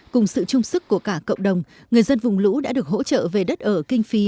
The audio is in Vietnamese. cùng sự trung sức của cả cộng đồng người dân vùng lũ đã được hỗ trợ về đất ở kinh phí